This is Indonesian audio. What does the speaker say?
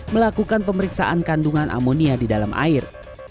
melakukan pemeriksaan kandungan amonia di dalam air